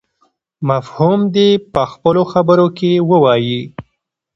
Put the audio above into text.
مفهوم دې په خپلو خبرو کې ووایي.